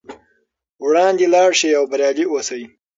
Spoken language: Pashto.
وړاندې لاړ شئ او بریالي اوسئ.